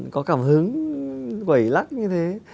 có cảm hứng quẩy lắc như thế